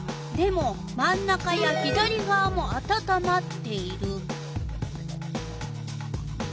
でも真ん中や左がわもあたたまっている。